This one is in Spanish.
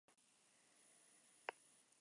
Otros lo desmienten.